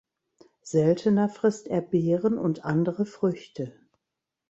Seltener frisst er Beeren und andere Früchte.